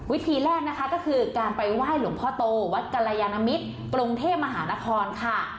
วิธีแรกนะคะก็คือการไปไหว้หลวงพ่อโตวัดกรยานมิตรกรุงเทพมหานครค่ะ